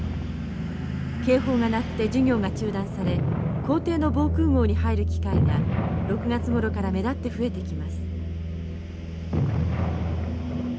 警報が鳴って授業が中断され校庭の防空ごうに入る機会が６月ごろから目立って増えてきます。